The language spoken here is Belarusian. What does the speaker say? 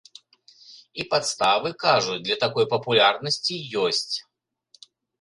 І падставы, кажуць, для такой папулярнасці ёсць.